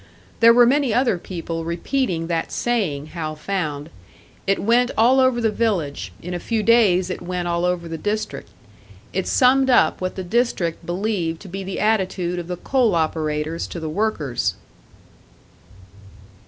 There were many other people repeating that saying, Hal found; it went all over the village, in a few days it went all over the district. It summed up what the district believed to be the attitude of the coal operators to the workers!